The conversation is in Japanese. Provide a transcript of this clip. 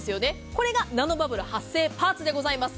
これがナノバブル発生パーツでございます。